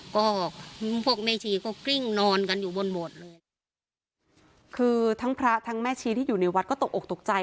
ก็พวกแม่ชีก็กลิ้งนอนกันอยู่บนโหมดเลยคือทั้งพระทั้งแม่ชีที่อยู่ในวัดก็ตกอกตกใจ